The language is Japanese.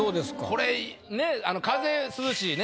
これね「風涼し」ね。